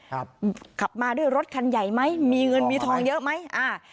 ขับมาด้วยรถคันใหญ่ไหมมีเงินมีทองเยอะไหมอ่า